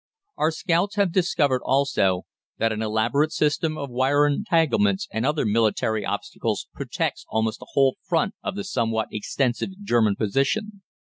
"Our scouts have discovered also that an elaborate system of wire entanglements and other military obstacles protects almost the whole front of the somewhat extensive German position.